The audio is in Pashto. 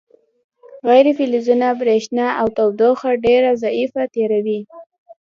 غیر فلزونه برېښنا او تودوخه ډیره ضعیفه تیروي.